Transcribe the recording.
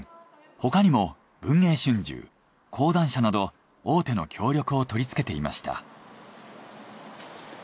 他にも文藝春秋講談社など大手の協力を取り付けていました。